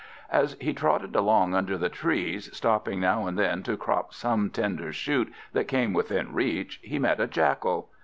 As he trotted along under the trees, stopping now and then to crop some tender shoot that came within reach, he met a Jackal.